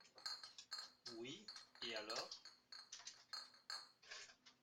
Oui, et alors?